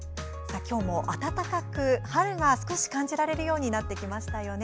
今日も暖かく春が少し感じられるようになってきましたよね。